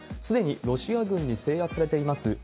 すでにロシア軍に制圧されています